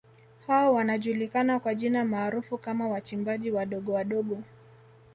Hao wanajulikana kwa jina maarufu kama wachimbaji wadogo wadogo